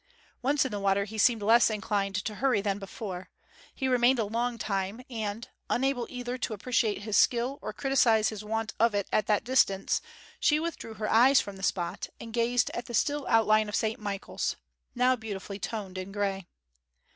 Once in the water he seemed less inclined to hurry than before; he remained a long time; and, unable either to appreciate his skill or criticize his want of it at that distance, she withdrew her eyes from the spot, and gazed at the still outline of St Michael's now beautifully toned in grey.